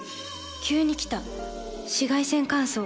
急に来た紫外線乾燥。